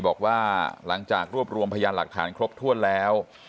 บอกว่าหลังจากรวบรวมพยานหลักฐานครบถ้วนแล้ว